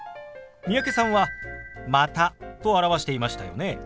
三宅さんは「また」と表していましたよね。